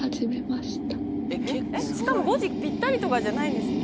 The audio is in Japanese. しかも５時ピッタリとかじゃないんですね。